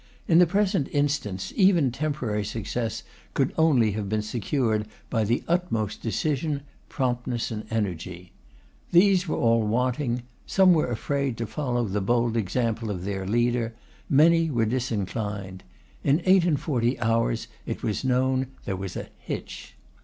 In the present instance, even temporary success could only have been secured by the utmost decision, promptness, and energy. These were all wanting: some were afraid to follow the bold example of their leader; many were disinclined. In eight and forty hours it was known there was a 'hitch.